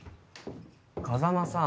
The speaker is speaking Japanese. ⁉風真さん